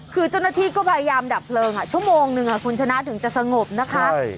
คือเจ้าหน้าที่ก็พยายามดับเพลิงชั่วโมงนึงคุณชนะถึงจะสงบนะคะ